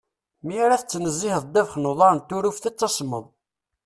Mi ara tettnezziheḍ ddabex n uḍar n Turuft ad tasmeḍ.